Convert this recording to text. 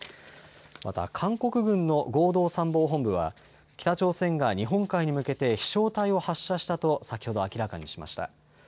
また韓国軍の合同参謀本部は北朝鮮が日本海に向けて飛しょう体を発射したと先ほど明らかにしました。